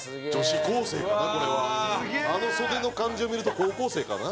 あの袖の感じを見ると高校生かな？